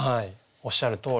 おっしゃるとおり。